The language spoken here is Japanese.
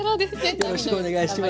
よろしくお願いします。